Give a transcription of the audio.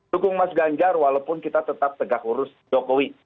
dukung mas ganjar walaupun kita tetap tegak lurus jokowi